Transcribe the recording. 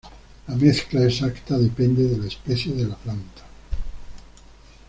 La mezcla exacta depende de la especie de la planta.